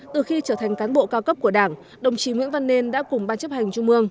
từ khi trở thành cán bộ cao cấp của đảng đồng chí nguyễn văn nên đã cùng ban chấp hành trung ương